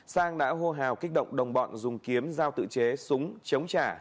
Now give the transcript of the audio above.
sang đã hô hào kích động đồng bọn dùng kiếm giao tự chế súng chống trả